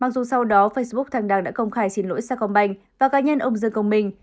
mặc dù sau đó facebook thang đăng đã công khai xin lỗi sa công banh và cá nhân ông dân công minh